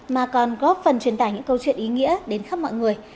mà còn góp phần truyền tải những câu chuyện ý nghĩa đến khắp mọi người